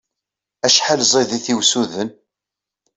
Acḥal ẓid-it i usuden!